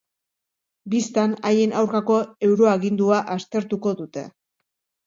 Bistan haien aurkako euroagindua aztertuko dute.